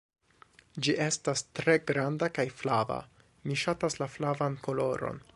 "Ĝi estas tre granda kaj flava. Mi ŝatas la flavan koloron."